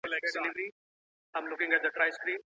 موبایل تلیفون روغتیا ته زیان رسوي؟